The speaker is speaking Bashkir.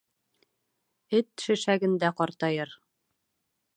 Эт шешәгендә ҡартайыр.